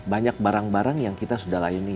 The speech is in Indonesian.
banyak barang barang yang kita sudah layani